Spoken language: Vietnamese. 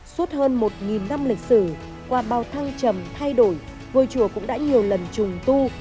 suốt hơn một năm lịch sử qua bao thăng trầm thay đổi ngôi chùa cũng đã nhiều lần trùng tu